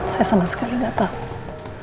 saya sama sekali gak tau